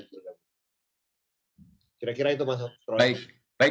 kira kira itu mas terima kasih